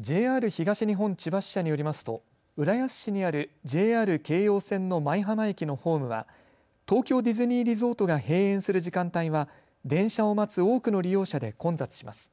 ＪＲ東日本千葉支社によりますと浦安市にあるＪＲ京葉線の舞浜駅のホームは東京ディズニーリゾートが閉園する時間帯は電車を待つ多くの利用者で混雑します。